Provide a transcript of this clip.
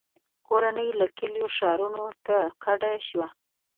• کورنۍ له کلیو ښارونو ته کډه شوه.